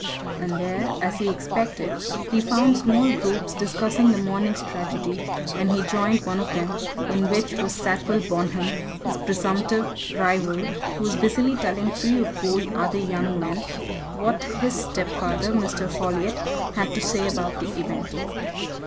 And there, as he expected, he found small groups discussing the morning's tragedy, and he joined one of them, in which was Sackville Bonham, his presumptive rival, who was busily telling three or four other young men what his stepfather, Mr. Folliot, had to say about the event.